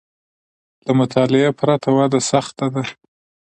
له مطالعې پرته وده سخته ده